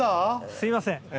すみません。